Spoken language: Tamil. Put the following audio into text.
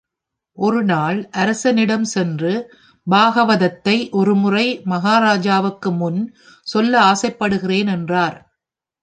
ஒரு நாள் அரசனிடம் சென்று, பாகவதத்தை ஒரு முறை மகாராஜாவுக்கு முன் சொல்ல ஆசைப்படுகிறேன் என்றார்.